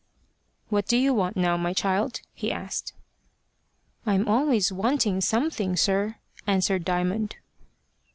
"What do you want now, my child?" he asked. "I'm always wanting something, sir," answered Diamond.